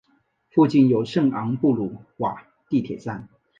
附近有圣昂布鲁瓦地铁站。